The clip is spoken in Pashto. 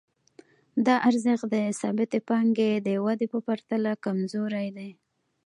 دا ارزښت د ثابتې پانګې د ودې په پرتله کمزوری دی